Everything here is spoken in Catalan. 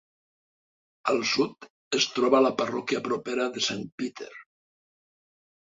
Al sud es troba la parròquia propera de Saint Peter.